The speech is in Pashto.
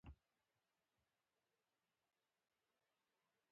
شاعر وایی زه مرغه یم بې پر او باله